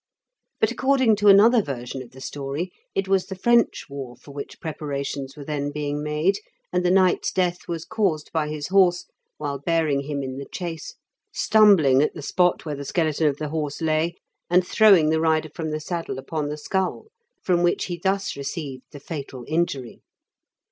But, according to another version of the storj', it was the French war for which preparations were then being made, and the knight's death was caused by his horse, while bearing him in the chase, stumbling at the spot where the skeleton of the horse lay, and throwing the rider from the saddle upon the skull, from which he thus received the fatal injury.